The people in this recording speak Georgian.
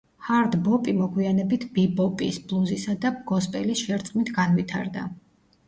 ჰარდ ბოპი მოგვიანებით ბიბოპის, ბლუზისა და გოსპელის შერწყმით განვითარდა.